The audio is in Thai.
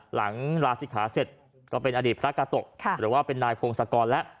หลังลาศิกขาเสร็จก็เป็นอดีตพระกาโตะหรือว่าเป็นนายพงศกรแล้ว